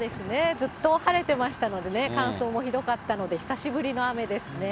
ずっと晴れてましたので、乾燥もひどかったので、久しぶりの雨ですね。